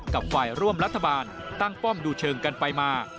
กับฝ่ายร่วมรัฐบาลตั้งป้อมดูเชิงกันไปมา